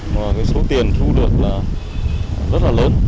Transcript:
và số tiền thu được là rất là lớn